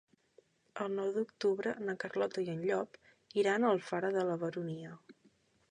El nou d'octubre na Carlota i en Llop iran a Alfara de la Baronia.